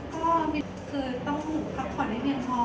ก็คือต้องพักผ่อนให้เพียงพอ